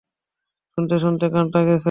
শুনতে শুনতে কানটা গেছে?